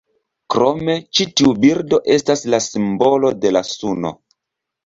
Krome, ĉi tiu birdo estas la simbolo de la suno.